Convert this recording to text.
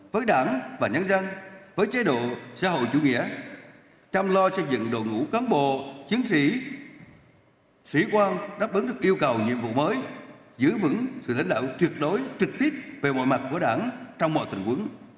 với đảng và nhân dân với chế độ xã hội chủ nghĩa chăm lo xây dựng đội ngũ cán bộ chiến sĩ quan đáp ứng được yêu cầu nhiệm vụ mới giữ vững sự lãnh đạo tuyệt đối trực tiếp về mọi mặt của đảng trong mọi tình huống